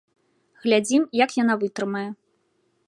Глядзім, як яна вытрымае.